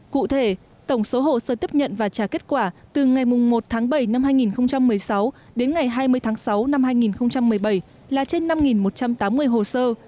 cụ thể tổng số hồ sơ tiếp nhận và trả kết quả từ ngày một tháng bảy năm hai nghìn một mươi sáu đến ngày hai mươi tháng sáu năm hai nghìn một mươi bảy là trên năm một trăm tám mươi hồ sơ